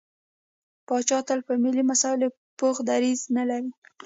پاچا تل په ملي مسايلو کې پوخ دريځ نه لري.